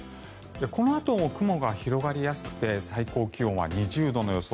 このあとも雲が広がりやすくて最高気温は２０度の予想。